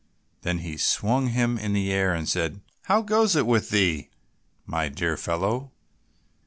Then he swung him in the air and said, "How goes it with thee, my dear fellow?